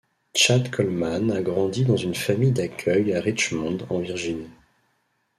Chad Coleman a grandi dans une famille d'accueil à Richmond, en Virginie.